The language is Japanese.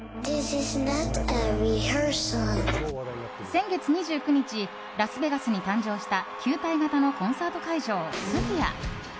先月２９日ラスベガスに誕生した球体型のコンサート会場スフィア。